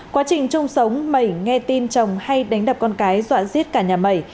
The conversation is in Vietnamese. quá trình chung sống mẩy nghe tin chồng hay đánh đập con cái dọa giết cả nhà mẩy